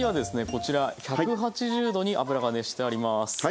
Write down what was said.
こちら１８０℃に油が熱してあります。